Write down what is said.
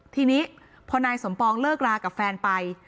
ทีนี้พอนายสมปองเลิกรากับแฟนไป